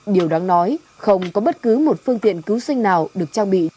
điều đáng nói không có bất cứ một phương tiện cứu sinh nào được trang bị